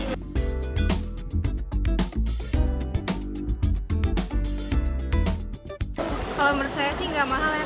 kalau menurut saya sih nggak mahal ya